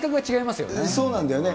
そうなんだよね。